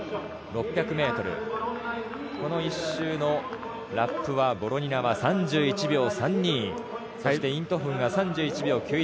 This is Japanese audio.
６００ｍこの１周のラップはボロニナは３１秒３２、そしてイント・ホフ３１秒９１。